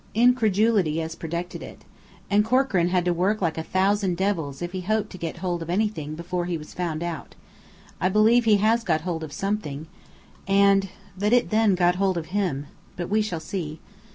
Incredulity has protected it. And Corkran had to work like a thousand devils if he hoped to get hold of anything before he was found out. I believe he has got hold of something, and that it then got hold of him. But we shall see."